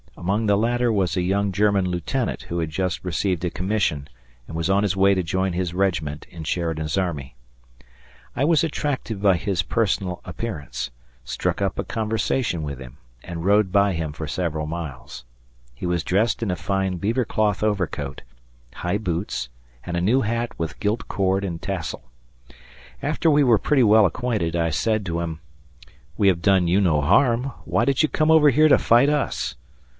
Among the latter was a young German lieutenant who had just received a commission and was on his way to join his regiment in Sheridan's army. I was attracted by his personal appearance, struck up a conversation with him, and rode by him for several miles. He was dressed in a fine beaver cloth overcoat; high boots, and a new hat with gilt cord and tassel. After we were pretty well acquainted, I said to him, "We have done you no harm. Why did you come over here to fight us?"